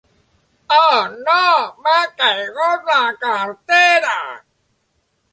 Oh, no! M'ha caigut la cartera!